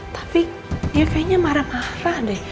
tapi dia kayaknya marah marah deh